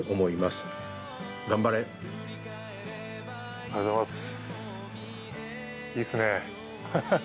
ありがとうございます。